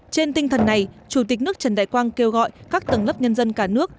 trên tinh thần này chủ tịch nước trần đại quang kêu gọi các tầng lớp nhân dân cả nước